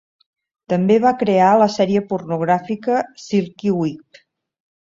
també va crear la sèrie pornogràfica "Silky Whip".